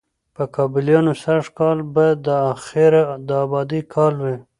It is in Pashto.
په کابليانو سږ کال به د خیره د آبادۍ کال وي،